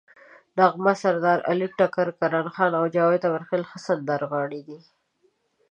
نغمه، سردارعلي ټکر، کرن خان او جاوید امیرخیل ښه سندرغاړي دي.